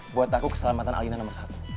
buat aku keselamatan alina nomor satu